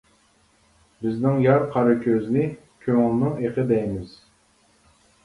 بىزنىڭ يار قارا كۆزنى، كۆڭۈلنىڭ ئېقى دەيمىز.